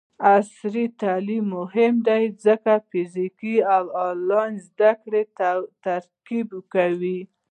عصري تعلیم مهم دی ځکه چې د فزیکي او آنلاین زدکړې ترکیب کوي.